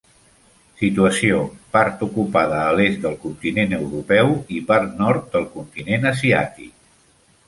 Situació: Part ocupada a l'est del continent europeu i part nord del continent asiàtic.